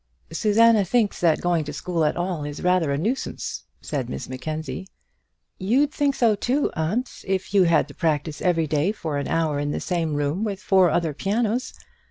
"Susanna thinks that going to school at all is rather a nuisance," said Miss Mackenzie. "You'd think so too, aunt, if you had to practise every day for an hour in the same room with four other pianos.